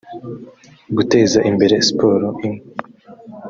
guteza imbere siporo imwe